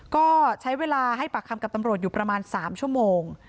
ก็ใช้เวลาให้ปากคำกับตำรวจอยู่ประมาณ๓ชั่วโมง